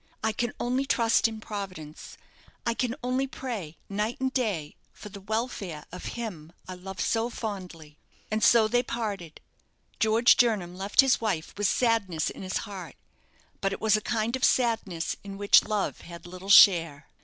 I can only trust in Providence I can only pray night and day for the welfare of him I love so fondly." And so they parted. George Jernam left his wife with sadness in his heart; but it was a kind of sadness in which love had little share.